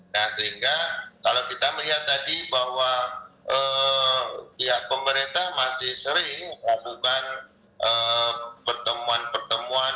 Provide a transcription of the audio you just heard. nah sehingga kalau kita melihat tadi bahwa pemerintah masih sering melakukan pertemuan pertemuan